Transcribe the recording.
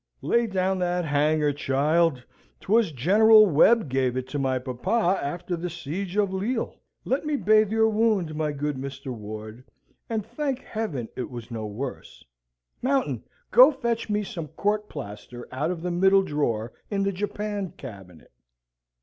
Lay down that hanger, child. 'Twas General Webb gave it to my papa after the siege of Lille. Let me bathe your wound, my good Mr. Ward, and thank Heaven it was no worse. Mountain! Go fetch me some court plaster out of the middle drawer in the japan cabinet.